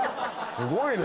すごいね。